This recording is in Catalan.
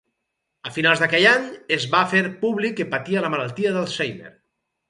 A finals d'aquell any es va fer públic que patia la malaltia d'Alzheimer.